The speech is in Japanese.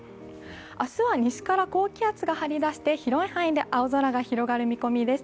明日は西から高気圧が張り出して広い範囲で青空が広がる見込みです。